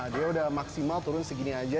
dia udah maksimal turun segini aja